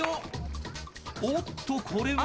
［おっとこれは］